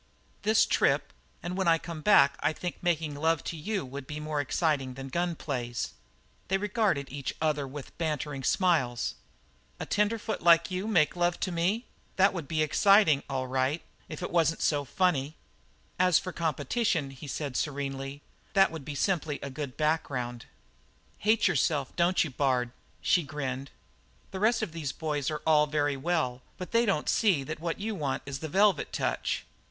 "This trip, and when I come back I think making love to you would be more exciting than gun plays." They regarded each other with bantering smiles. "A tenderfoot like you make love to me? That would be exciting, all right, if it wasn't so funny." "As for the competition," he said serenely, "that would be simply a good background." "Hate yourself, don't you, Bard?" she grinned. "The rest of these boys are all very well, but they don't see that what you want is the velvet touch."